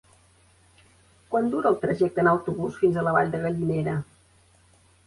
Quant dura el trajecte en autobús fins a la Vall de Gallinera?